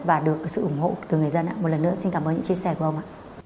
và được sự ủng hộ từ người dân một lần nữa xin cảm ơn những chia sẻ của ông ạ